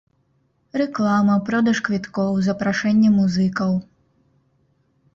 Рэклама, продаж квіткоў, запрашэнне музыкаў.